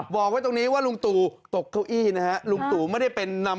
บอกไว้ตรงนี้ว่าลุงตูตกเก้าอี้นะ